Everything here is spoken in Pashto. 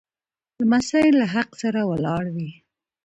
لمسی له حق سره ولاړ وي.